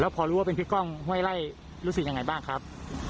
พอรู้ว่าเป็นพี่ก้องห้วยไล่รู้สึกยังไงบ้างครับ